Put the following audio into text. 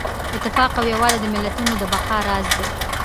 اتفاق او یووالی د ملتونو د بقا راز دی.